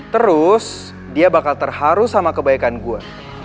terus dia bakal terharu sama kebaikan gue